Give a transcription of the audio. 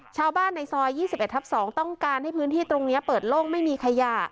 ชาวบ้านในซอย๒๑ทับ๒ต้องการให้พื้นที่ตรงนี้เปิดโล่งไม่มีขยะ